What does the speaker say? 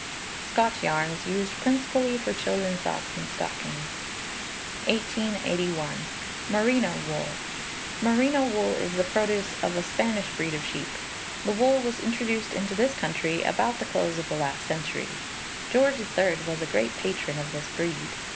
Scotch yarns, used principally for children's socks and stockings. 1881. Merino Wool. Merino wool is the produce of a Spanish breed of sheep. The wool was introduced into this country about the close of the last century. George III. was a great patron of this breed.